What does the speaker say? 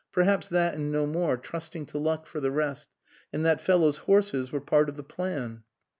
Perhaps that and no more, trusting to luck for the rest. And that fellow's horses were part of the plan."